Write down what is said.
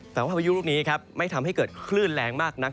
แต่ว่าพายุลูกนี้ไม่ทำให้เกิดคลื่นแรงมากนัก